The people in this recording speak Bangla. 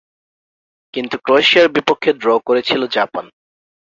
কিন্তু ক্রোয়েশিয়ার বিপক্ষে ড্র করেছিল জাপান।